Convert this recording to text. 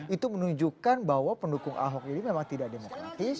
itu menunjukkan bahwa pendukung ahok ini memang tidak demokratis